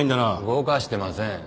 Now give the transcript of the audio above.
動かしてません。